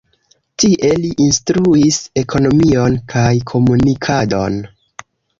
Tie li instruis ekonomion kaj komunikadon.